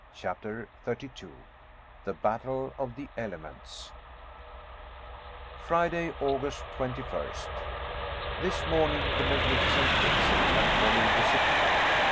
CHAPTER 32 THE BATTLE OF THE ELEMENTS Friday, August 21st. This morning the magnificent geyser had wholly disappeared.